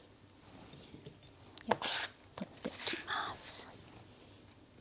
取ってきます。